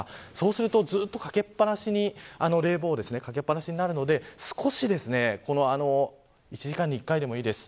そうすると、ずっと冷房をかけっぱなしになるので少し１時間に１回でもいいです。